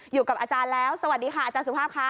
อยู่กับอาจารย์แล้วสวัสดีค่ะอาจารย์สุภาพค่ะ